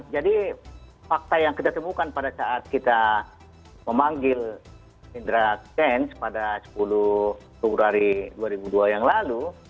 jadi fakta yang kita temukan pada saat kita memanggil indra jens pada sepuluh februari dua ribu dua yang lalu